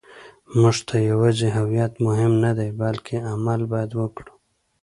موږ ته یوازې هویت مهم نه دی، بلکې عمل باید وکړو.